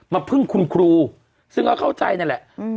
มาพึ่งคุณครูซึ่งเขาเข้าใจนั่นแหละอืม